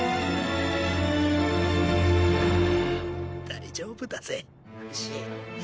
大丈夫だぜフシ。